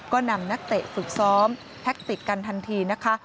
ก็นำนักเตะฝึกซ้อมแท็กติกกันทันทีนะคะ